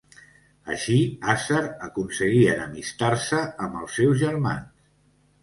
Així, Aser aconseguí enemistar-se amb els seus germans.